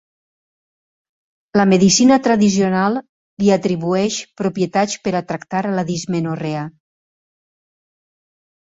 La medicina tradicional li atribueix propietats per a tractar la dismenorrea.